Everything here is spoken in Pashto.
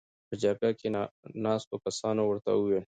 .په جرګه کې ناستو کسانو ورته ووېل: